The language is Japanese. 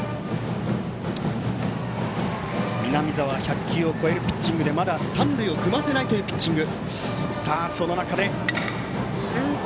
南澤は１００球を超えるピッチングですがまだ三塁を踏ませないピッチング。